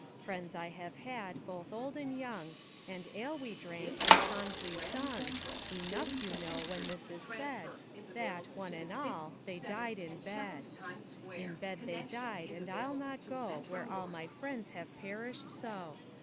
Friends I have had both old and young, And ale we drank and songs we sung: Enough you know when this is said, That, one and all, they died in bed. In bed they died and I'll not go Where all my friends have perished so.